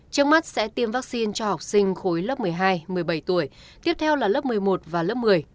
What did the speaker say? trước mắt sẽ tiêm vaccine cho học sinh khối lớp một mươi hai một mươi bảy tuổi tiếp theo là lớp một mươi một và lớp một mươi